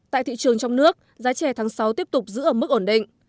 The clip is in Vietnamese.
tại thị trường trong nước giá chè tháng sáu tiếp tục giữ ở mức ổn định